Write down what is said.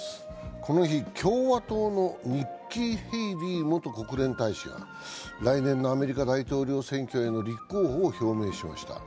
この日、共和党のニッキー・ヘイリー元国連大使が来年のアメリカ大統領選挙への立候補を表明しました。